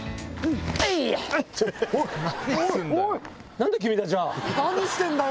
何してんだよ！